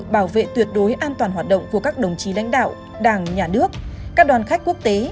bảo vệ tuyệt đối an toàn hoạt động của các đồng chí lãnh đạo đảng nhà nước các đoàn khách quốc tế